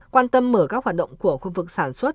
quan tâm mở các hoạt động của khu vực sản xuất